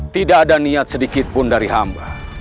tidak ada niat sedikitpun dari hal ini